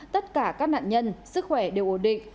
tất cả các nạn nhân sức khỏe đều ổn định